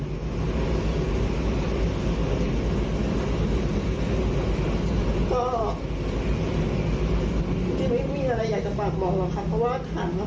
ก็จริงไม่มีอะไรอยากจะฝากบอกว่าคะ